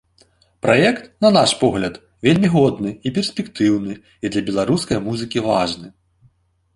Праект, на наш погляд, вельмі годны і перспектыўны, і для беларускай музыкі важны.